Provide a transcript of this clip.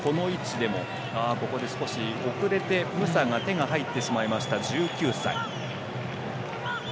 ここで少し遅れてムサが手が入ってしまいました、１９歳。